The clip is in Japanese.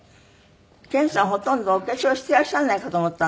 研さんほとんどお化粧していらっしゃらないかと思ったのに。